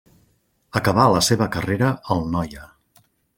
Acabà la seva carrera al Noia.